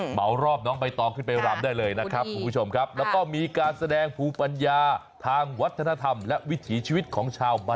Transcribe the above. เหมารอบน้องไปต่อขึ้นไปรำได้เลยนะครับคุณผู้ชมครับ